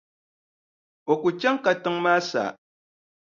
O ku chaŋ katiŋa maa sa.